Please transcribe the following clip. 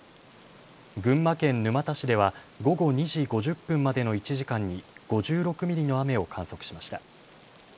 群馬県沼田市では午後２時５０分までの１時間に５６ミリの雨を観測しました。